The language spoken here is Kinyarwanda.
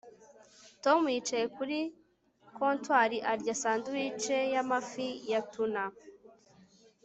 Tom yicaye kuri comptoire arya sandwich yamafi ya tuna